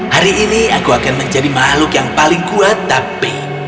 hari ini aku akan menjadi makhluk yang paling kuat tapi